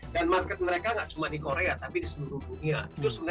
dan market mereka gak cuma di korea tapi di seluruh dunia